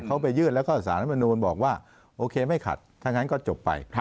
เขาไปยื่นแล้วก็สารรัฐมนูลบอกว่าโอเคไม่ขัดถ้างั้นก็จบไป